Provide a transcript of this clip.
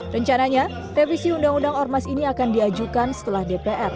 rencananya revisi undang undang ormas ini akan diajukan setelah dpr